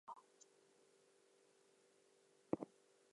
The academic calendar consists of two semesters and a summer-school session.